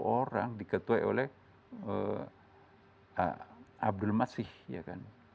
enam puluh orang diketuai oleh abdul masih ya kan